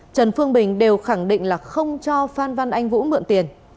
trần phương bình đều khẳng định là không cho phan văn anh vũ mượn tiền